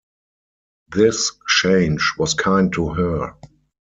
This change was kind to her.